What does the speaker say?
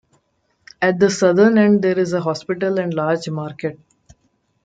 At the southern end there is a hospital and large market.